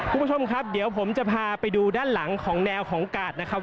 คุณผู้ชมครับเดี๋ยวผมจะพาไปดูด้านหลังของแนวของกาดนะครับ